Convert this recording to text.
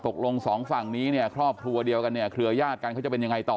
ตกลงสองฝั่งนี้ครอบครัวเดียวกันเคลือญาติกันเขาจะเป็นอย่างไรต่อ